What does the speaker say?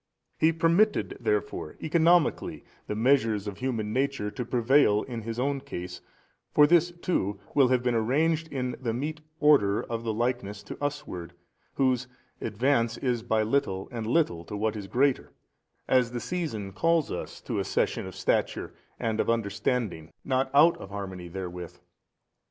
He permitted therefore economically the measures of human nature to prevail in His own case, for this too will have been arranged in the meet order of the likeness to usward, whose advance is by little and little to what is greater, as the season calls us to accession of stature and of understanding not out of harmony therewith.